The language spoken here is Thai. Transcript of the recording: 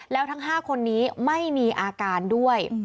แล้วทั้ง๕คนนี้ไม่มีอาการด้วย